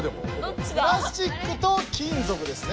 プラスチックと金ぞくですね。